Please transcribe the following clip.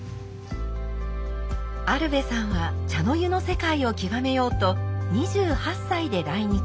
アルヴェさんは茶の湯の世界を極めようと２８歳で来日。